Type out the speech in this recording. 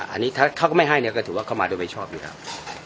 อันนี้ถ้าเขาก็ไม่ให้เนี่ยก็ถือว่าเข้ามาโดยไม่ชอบอยู่แล้ว